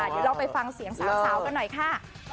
เดี๋ยวเราไปฟังเสียงสาวกันหน่อยค่ะ